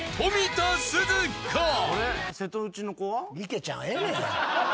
池ちゃんはええねん。